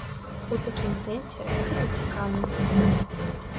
У такім сэнсе гэта цікава.